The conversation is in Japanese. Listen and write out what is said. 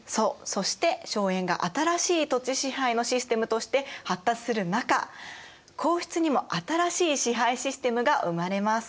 そして荘園が新しい土地支配のシステムとして発達する中皇室にも新しい支配システムが生まれます。